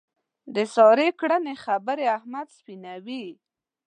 د سارې کړنې خبرې احمد سپینوي.